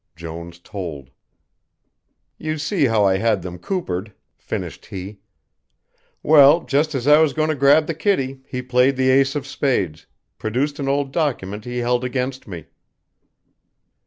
Jones told. "You see how I had them coopered," finished he. "Well, just as I was going to grab the kitty he played the ace of spades, produced an old document he held against me."